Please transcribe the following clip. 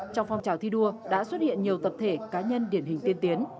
trong phong trào thi đua đã xuất hiện nhiều tập thể cá nhân điển hình tiên tiến